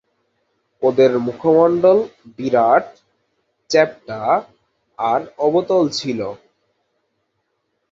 ওদের মুখমণ্ডল বিরাট, চ্যাপ্টা আর অবতল ছিল।